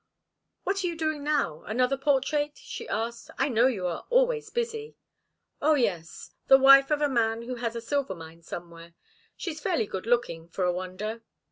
"What are you doing now? Another portrait?" she asked. "I know you are always busy." "Oh, yes the wife of a man who has a silver mine somewhere. She's fairly good looking, for a wonder."